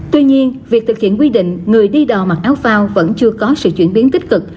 tuy nhiên việc thực hiện quy định người đi đò mặc áo phao vẫn chưa có sự chuyển biến tích cực